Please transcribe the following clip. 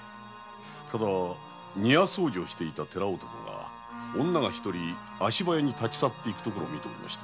ただ庭掃除をしていた寺男が女が一人足早に立ち去っていくところを見ておりまして。